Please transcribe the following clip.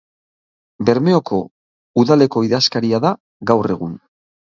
Bermeoko Udaleko idazkaria da gaur egun.